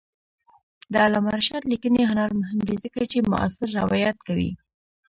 د علامه رشاد لیکنی هنر مهم دی ځکه چې معاصر روایت کوي.